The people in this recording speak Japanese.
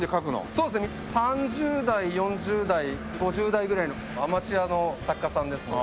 ３０代４０代５０代ぐらいのアマチュアの作家さんですね。